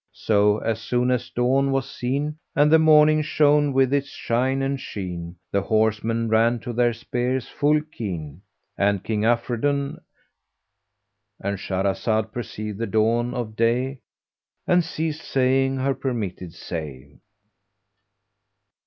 [FN#391] So, as soon as dawn was seen and the morning shone with its shine and sheen, the horsemen ran to their spears full keen, and King Afridun,—And Shahrazad perceived the dawn of day and ceased saying her permitted say.